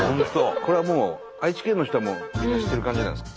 これはもう愛知県の人はみんな知ってる感じなんですか？